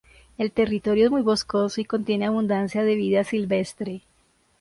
El territorio es muy boscoso y contiene abundancia de vida silvestre.